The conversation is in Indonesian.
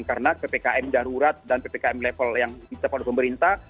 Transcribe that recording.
karena ppkm darurat dan ppkm level yang dipotong pemerintah